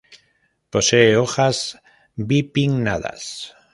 Posee hojas bipinnadas.